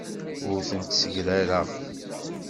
Ur tent-ssegrareɣ.